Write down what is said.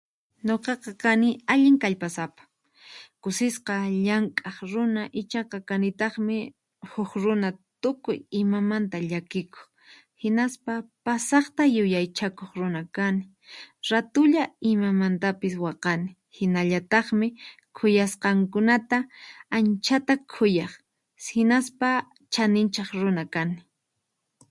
Nuqaqa kani allin kallpasapa, kusisqa, llamkaq runa ichaqa kanitaqmi huk runa tukuy imamanta llakikuq hinaspa pasaqta yuyaychakuq runa kani, ratulla imamantapis waqani hinallataqmi khuyasqankunata anchata khuyaq hinaspa chaninchaq runa kani.